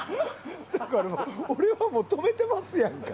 俺はもう止めてますやんか。